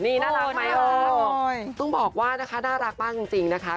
นี่น่ารักไหมต้องบอกว่าน่ารักบ้างจริงนะคะ